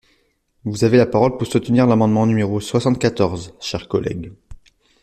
Vous avez la parole pour soutenir l’amendement numéro soixante-quatorze, cher collègue.